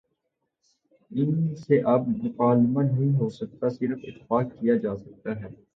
ان سے اب مکالمہ نہیں ہو سکتا صرف اتفاق کیا جا سکتا ہے۔